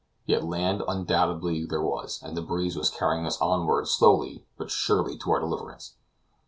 Yet land undoubtedly was there, and the breeze was carrying us onward slowly but surely to our deliverance.